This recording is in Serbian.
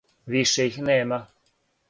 Више их нема.